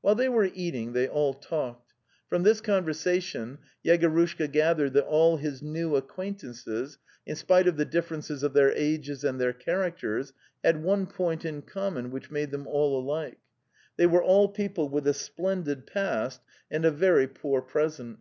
While they were eating they all talked. From this conversation Yegorushka gathered that all his new acquaintances, in spite of the differences of their ages and their characters, had one point in common which made them all alike: they were all people with a splendid past and a very poor present.